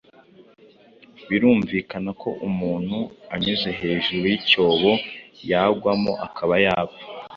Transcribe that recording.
birumvikana ko umuntu anyuze hejuru y’icyobo yagwamo akaba yapfa.